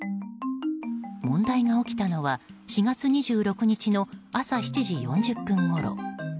問題が起きたのは４月２６日の朝７時４０分ごろ。